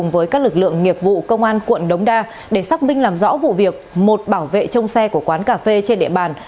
với các lực lượng nghiệp vụ công an quận đống đa để xác minh làm rõ vụ việc một bảo vệ trong xe của quán cà phê trên địa bàn